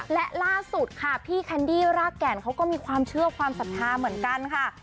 และล่าสุดค่ะพี่แคนดี้รากแก่นเขาก็มีความเชื่อความศรัทธาเหมือนกันค่ะ